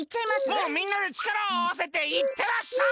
もうみんなでちからをあわせていってらっしゃい！